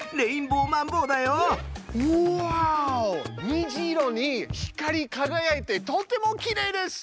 にじ色に光りかがやいてとてもきれいです！